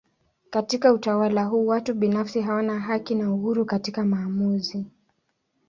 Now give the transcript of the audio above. Katika utawala huu watu binafsi hawana haki na uhuru katika maamuzi.